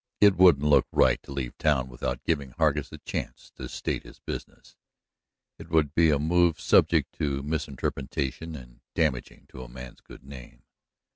It wouldn't look right to leave town without giving Hargus a chance to state his business; it would be a move subject to misinterpretation, and damaging to a man's good name.